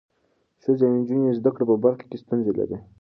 ښځې او نجونې د زده کړې په برخه کې ستونزې لري.